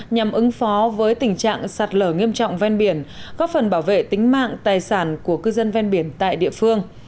nhằm ứng phó với tình trạng sạt lở nghiêm trọng ven biển góp phần bảo vệ tính mạng tài sản của cư dân ven biển tại địa phương